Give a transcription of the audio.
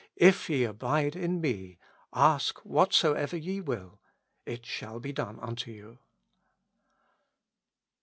"If ye abide in Me, ask whatsoever ye will, it shall be done unto you."